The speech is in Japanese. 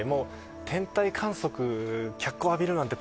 天体観測が脚光浴びるのなんて